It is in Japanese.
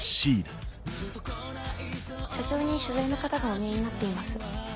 社長に取材の方がお見えになっています。